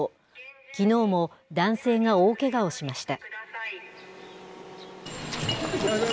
きのうも男性が大けがをしました。